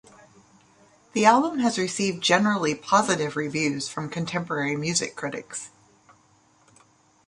The album has received generally positive reviews from contemporary music critics.